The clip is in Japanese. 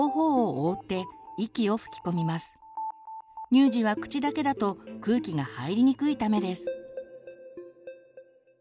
乳児は口だけだと空気が入りにくいためです。